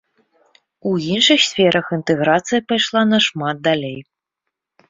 У іншых сферах інтэграцыя пайшла нашмат далей.